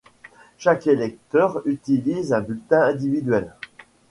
Chaque électeur utilise un bulletin individuel.